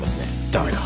駄目か。